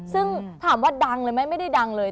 แล้วถามว่าไม่ได้ดังเลย